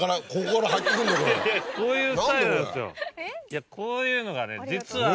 こういうのがね実は。